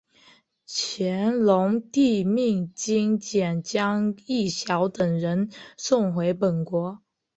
乾隆帝命金简将益晓等人送回本国。